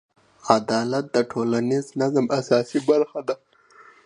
عدالت د ټولنیز نظم اساسي برخه ده.